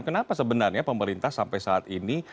kenapa sebenarnya pemerintah sampai saat ini